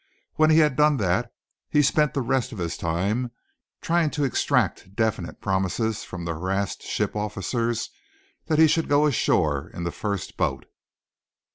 When he had done that, he spent the rest of his time trying to extract definite promises from the harassed ship's officers that he should go ashore in the first boat.